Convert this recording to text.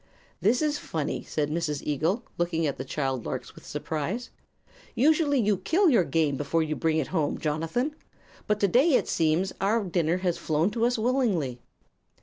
"This is funny," said Mrs. Eagle, looking at the child larks with surprise. "Usually you kill your game before you bring it home, Jonathan; but today it seems our dinner has flown to us willingly."